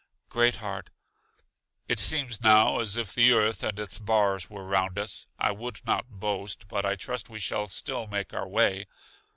Great heart: It seems now as if the earth and its bars were round us. I would not boast, but I trust we shall still make our way.